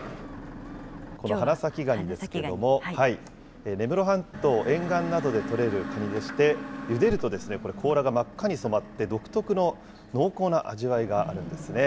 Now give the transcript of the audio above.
この花咲ガニですけれども、根室半島沿岸などでとれるカニでして、ゆでるとこれ、甲羅がまっ赤に染まって、独特の濃厚な味わいがあるんですね。